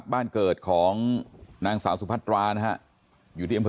แล้วก็ยัดลงถังสีฟ้าขนาด๒๐๐ลิตร